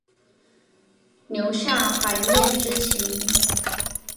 留下怀念之情